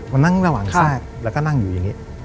มานั่งระหว่างแทรกแล้วก็นั่งอยู่อย่างนี้